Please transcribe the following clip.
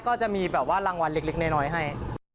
ก็จะมีแบบว่ารางวัลเล็กน้อยให้